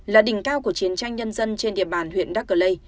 là đỉnh cao của chiến tranh nhân dân trên địa bàn huyện đắc lê